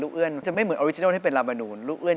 ลูกเอื้อนจะไม่เหมือนแบบอริจินัลที่เป็นฬามณู้น